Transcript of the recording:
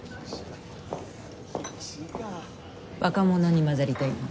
若者に交ざりたいの？